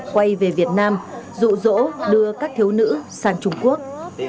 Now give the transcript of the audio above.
quay về việt nam rụ rỗ đưa các thiếu nữ sang trung quốc